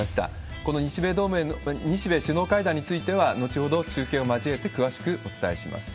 この日米首脳会談については、後ほど、中継を交えて詳しくお伝えします。